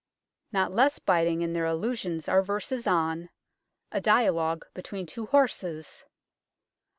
Not less biting in their allusions arc verses on "A Dialogue Between two Horses."